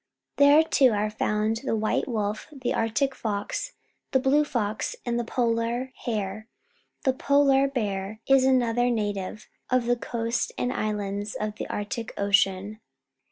There, too, are found the white wolf, the Arctic fox, the blue fox, and the polar hare. The polar bear is an other native of the coasts and islands of the Arctic Ocean.